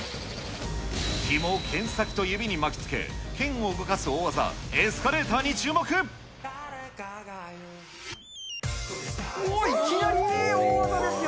ひもをけん先と指に巻きつけ、けんを動かす大技、エスカレータおー、いきなり大技ですよ。